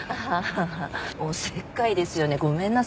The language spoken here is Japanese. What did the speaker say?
おせっかいですよねごめんなさい。